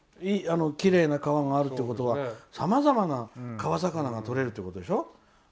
きれいな川があるということはさまざまな川魚がとれるっていうことでしょ。